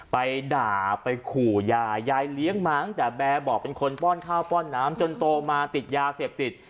ไปด่าไปขู่ยายยายเลี้ยงมาตั้งแต่แบร์บอกเป็นคนป้อนข้าวป้อนน้ำจนโตมาติดยาเสพติด